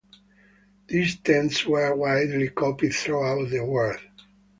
These tents were widely copied throughout the world.